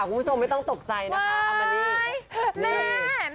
คุณผู้ชมไม่ต้องตกใจนะคะอัมมานี่แม่